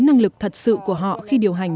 năng lực thật sự của họ khi điều hành